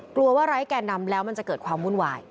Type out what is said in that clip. กลัวว่าไร้แก่นำแล้วมันจะเกิดความวุ่นวาย